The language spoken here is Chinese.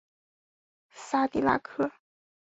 萨迪拉克。